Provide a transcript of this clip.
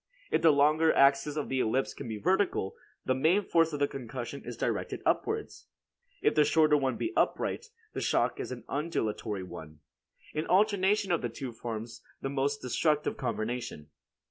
If the longer axis of the ellipse be vertical, the main force of the concussion is directed upwards; if the shorter one be upright, the shock is an undulatory one. An alternation of the two forms the most destructive combination.